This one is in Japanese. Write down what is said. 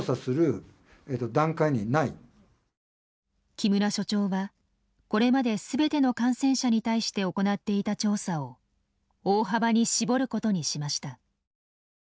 木村所長はこれまで全ての感染者に対して行っていた調査を大幅に絞ることにしました。